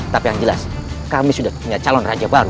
tapi yang jelas kami sudah punya calon raja baru